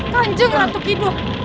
kanjeng ratu hidup